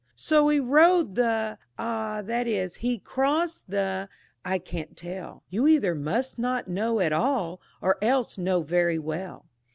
So he rode the ah, that is, he crossed the I can't tell; You either must not know at all, or else know very well.